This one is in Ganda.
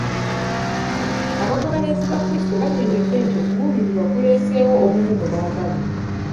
Abagoberezi ba kristo bannyonyodde nti okubuulirirwa kuleseewo obumu mu baagalana.